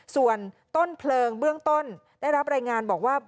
ส่วนต้นเพลิงเบื้องต้นได้รับรายงานบอกว่า